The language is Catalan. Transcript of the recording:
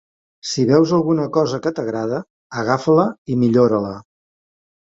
Si veus alguna cosa que t'agrada, agafa-la i millora-la.